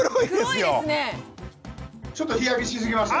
ちょっと日焼けしすぎまして。